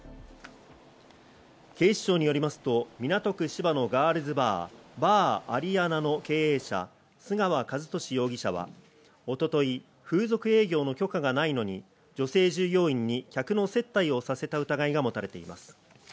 警視庁によりますと、港区芝のガールズバー、ＢａｒＡｒｉａｎａの経営者、須川和俊容疑者は一昨日、風俗営業の許可がないのに女性従業員に客の接待をさせた疑いが持たれています。